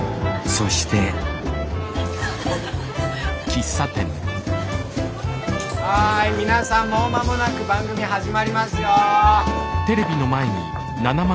そしてはい皆さんもう間もなく番組始まりますよ。